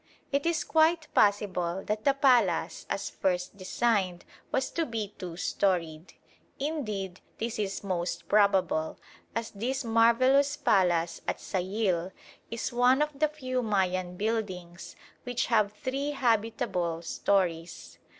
It is quite possible that the palace as first designed was to be two storeyed. Indeed this is most probable, as this marvellous palace at Sayil is one of the few Mayan buildings which have three habitable storeys.